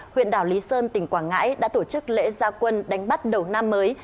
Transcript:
huyện đảo lý sơn tỉnh quảng ngãi đã tổ chức lễ gia quân đánh bắt đầu năm mới